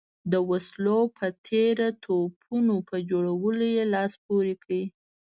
د وسلو په تېره توپونو په جوړولو یې لاس پورې کړ.